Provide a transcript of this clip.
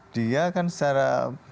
dia kan secara